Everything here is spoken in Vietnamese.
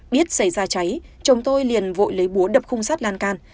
biết xảy ra cháy chồng tôi liền vội lấy búa đập khung sắt lan can